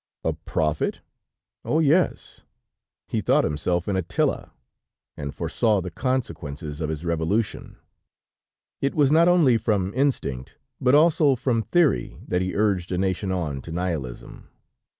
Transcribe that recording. "A prophet? Oh! yes. He thought himself an Attila, and foresaw the consequences of his revolution; it was not only from instinct, but also from theory that he urged a nation on to nihilism.